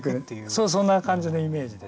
そうそんな感じのイメージですね。